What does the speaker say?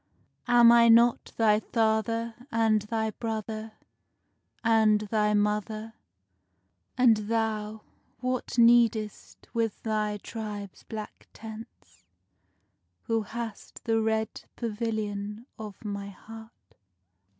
Am I not thy father and thy brother, And thy mother? And thou what needest with thy tribe's black tents Who hast the red pavilion of my heart?